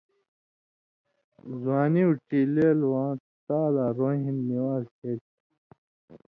زُوانیوں ڇیلیلواں تالا روئیں ہِن نِوان٘ز شریۡ تھُو۔